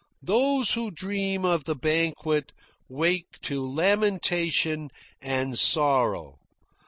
Those who dream of the banquet, wake to lamentation and sorrow.